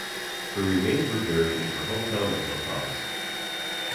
Her remains were buried in her hometown of La Paz.